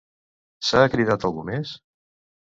S'ha cridat a algú més?